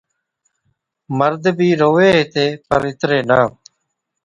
مرد بِي رووَي ھِتي پر اِتري نہ